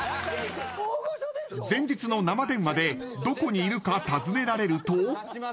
前日の生電話でどこにいるか尋ねられると。